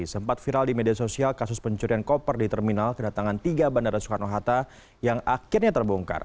sempat viral di media sosial kasus pencurian koper di terminal kedatangan tiga bandara soekarno hatta yang akhirnya terbongkar